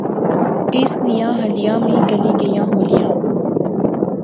اس نیاں ہڈیاں وی گلی گئیاں ہولیاں